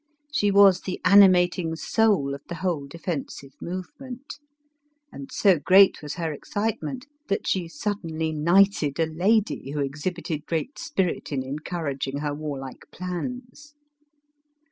She was the animating soul of the whole defensire movement ; and so great was her excitement that she suddenly knighted a lady who exhibited great spirit in encouraging her warlike plans.